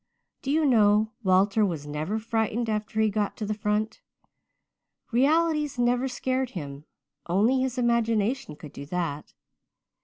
Do you know, Walter was never frightened after he got to the front. Realities never scared him only his imagination could do that.